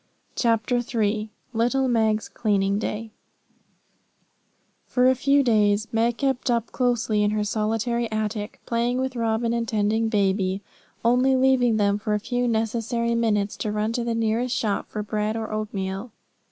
CHAPTER III Little Meg's Cleaning Day For a few days Meg kept up closely in her solitary attic, playing with Robin and tending baby; only leaving them for a few necessary minutes, to run to the nearest shop for bread or oatmeal.